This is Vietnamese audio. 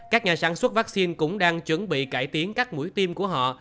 các nhà sản xuất vaccine cũng đang chuẩn bị cải tiến các mũi tiêm của họ